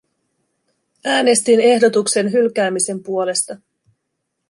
Äänestin ehdotuksen hylkäämisen puolesta.